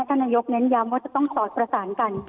ท่านนายกเน้นย้ำว่าจะต้องสอดประสานกัน